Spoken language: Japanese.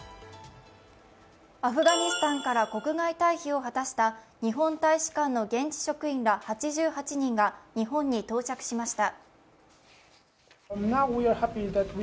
アフガニスタンから国外退避を果たした日本大使館の現地職員ら８８人が日本に到着しました。